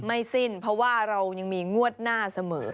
ไม่สิ้นเพราะว่าเรายังมีงวดหน้าเสมอ